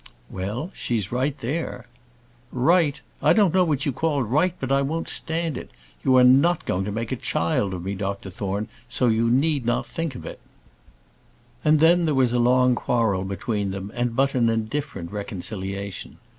"Well; she's right there." "Right! I don't know what you call right; but I won't stand it. You are not going to make a child of me, Dr Thorne; so you need not think it." And then there was a long quarrel between them, and but an indifferent reconciliation.